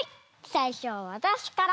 さいしょはわたしから。